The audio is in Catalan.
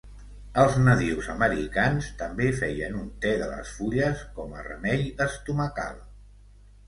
Els nadius americans també feien un te de les fulles com a remei estomacal.